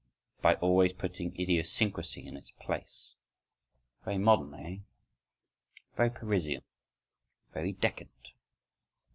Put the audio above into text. —by always putting idiosyncrasy in its place.… Very modern—eh? Very Parisian! very decadent!